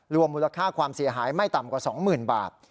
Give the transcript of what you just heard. มูลค่าความเสียหายไม่ต่ำกว่า๒๐๐๐บาท